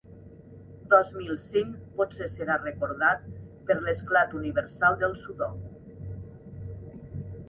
Dos mil cinc potser serà recordat per l'esclat universal del sudoku.